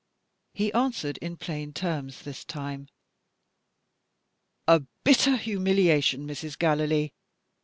He answered in plain terms, this time. "A bitter humiliation, Mrs. Gallilee!